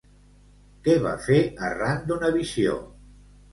Què va fer arran d'una visió?